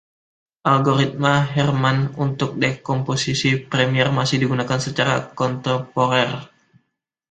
Algoritma Hermann untuk dekomposisi primer masih digunakan secara kontemporer.